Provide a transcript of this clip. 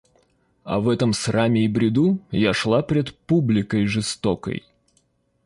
А в этом сраме и бреду Я шла пред публикой жестокой.